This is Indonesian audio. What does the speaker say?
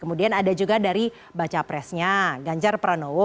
kemudian ada juga dari baca presnya ganjar pranowo